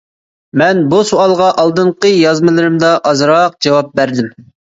مەن بۇ سوئالغا ئالدىنقى يازمىلىرىمدا ئازراق جاۋاب بەردىم.